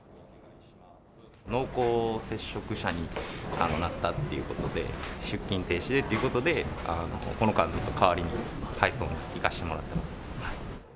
濃厚接触者になったっていうことで、出勤停止でということで、この間、ずっと代わりに配送に行かせてもらってます。